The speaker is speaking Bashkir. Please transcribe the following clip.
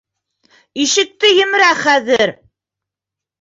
Ишекте емерә хәҙер!